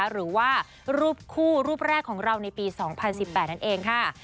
หรือว่ารูปคู่รูปแรกของเราในปี๒๐๑๘นั่นเองค่ะ